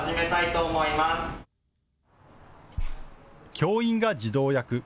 教員が児童役。